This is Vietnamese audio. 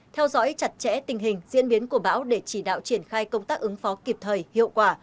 hai theo dõi chặt chẽ tình hình diễn biến của bão để chỉ đạo triển khai công tác ứng phó kịp thời hiệu quả